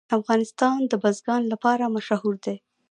افغانستان د بزګان لپاره مشهور دی.